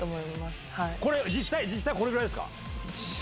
実際これぐらいですか？